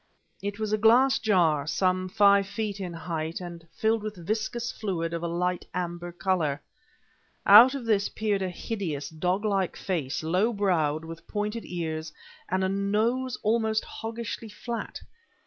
It was a glass jar, some five feet in height and filled with viscous fluid of a light amber color. Out from this peered a hideous, dog like face, low browed, with pointed ears and a nose almost hoggishly flat.